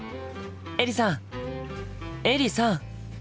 エリさんエリさん！